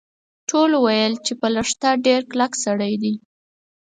ټولو ویل چې په لښته ډیر کلک سړی دی.